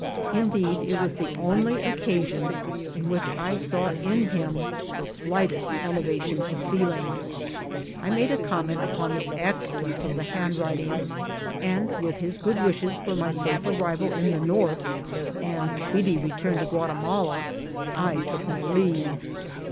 Indeed, it was the only occasion in which I saw in him the slightest elevation of feeling. I made a comment upon the ex cellence of the handwriting, and with his good wishes for my safe arrival in the North and speedy return to Guatimala,! took my leave.